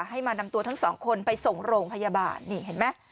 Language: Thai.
ให้มานำตัวทั้งสองคนไปส่งโรงพยาบาลนี่เห็นไหม